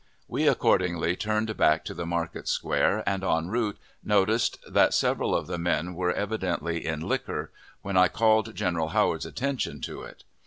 We accordingly turned back to the market square, and en route noticed that, several of the men were evidently in liquor, when I called General Howard's attention to it.